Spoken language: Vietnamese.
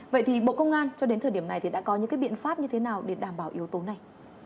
vậy thì bộ công an cho đến thời điểm này thì đã có những biện pháp như thế nào để đảm bảo yếu tố này